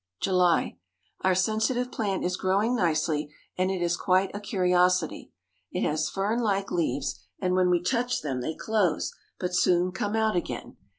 July. Our sensitive plant is growing nicely and it is quite a curiosity. It has fern like leaves and when we touch them, they close, but soon come out again.